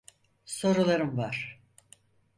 Sorularım var.